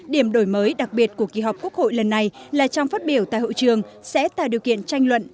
điểm đổi mới đặc biệt của kỳ họp quốc hội lần này là trong phát biểu tại hội trường sẽ tạo điều kiện tranh luận